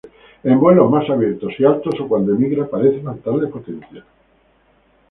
En vuelos más abiertos y altos, o cuando emigra, parece faltarle potencia.